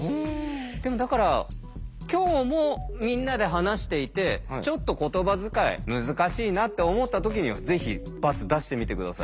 でもだから今日もみんなで話していてちょっと言葉遣い難しいなって思ったときにはぜひバツ出してみて下さい。